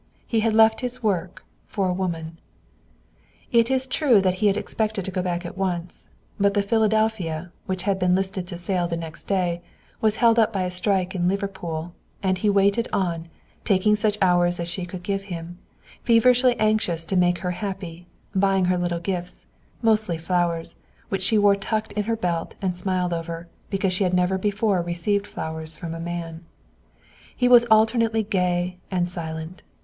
He had left his work for a woman. It is true that he had expected to go back at once. But the Philadelphia, which had been listed to sail the next day, was held up by a strike in Liverpool, and he waited on, taking such hours as she could give him, feverishly anxious to make her happy, buying her little gifts, mostly flowers, which she wore tucked in her belt and smiled over, because she had never before received flowers from a man. He was alternately gay and silent.